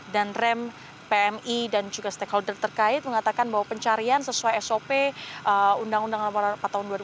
dan rem pmi dan juga stakeholder terkait mengatakan bahwa pencarian sesuai sop undang undang lama rata tahun dua ribu sembilan